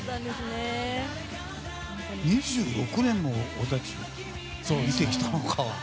２６年も俺たち、見てきたのか。